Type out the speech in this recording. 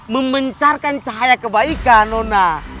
memencarkan cahaya kebaikan nona